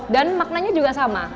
dan maknanya juga sama